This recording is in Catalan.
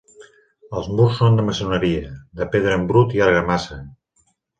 Els murs són de maçoneria, de pedra en brut i argamassa.